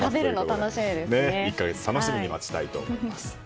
１か月楽しみに待ちたいと思います。